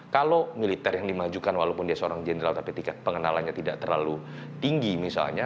kalau militer yang dimajukan walaupun dia seorang jenderal tapi tingkat pengenalannya tidak terlalu tinggi misalnya